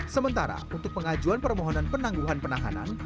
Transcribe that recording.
sementara untuk pengajuan permohonan penangguhan penahanan